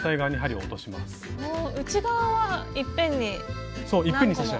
内側はいっぺんに何個も。